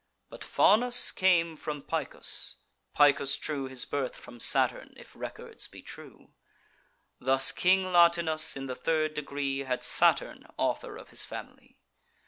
But Faunus came from Picus: Picus drew His birth from Saturn, if records be true. Thus King Latinus, in the third degree, Had Saturn author of his family.